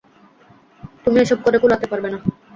তুমি এসব করে কুলোতে পারবে না।